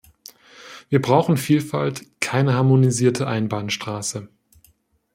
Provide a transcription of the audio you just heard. Wir brauchen Vielfalt, keine harmonisierte Einbahnstraße.